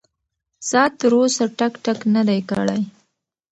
ساعت تر اوسه ټک ټک نه دی کړی.